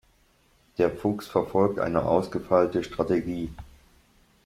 Der Fuchs verfolgt eine ausgefeilte Strategie.